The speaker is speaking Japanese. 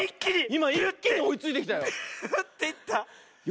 いまいっきにおいついてきたよ。